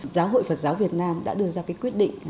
giáo hội phật giáo việt nam đã đưa ra cái quyết định